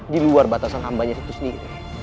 diluar batasan hambanya itu sendiri